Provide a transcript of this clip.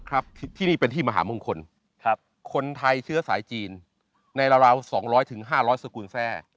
ครับที่นี่เป็นที่มหามงคลคนไทยเชื้อสายจีนในราว๒๐๐๕๐๐สกุลแทร่